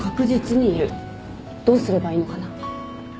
どうすればいいのかな？